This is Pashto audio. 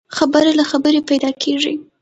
خبره له خبري پيدا کېږي.